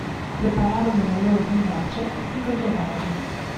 Prepararono le loro bisaccie e si congedarono.